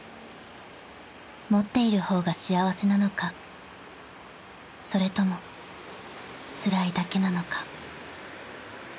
［持っている方が幸せなのかそれともつらいだけなのか］